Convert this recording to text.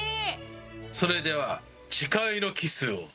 それでは誓いのキスを。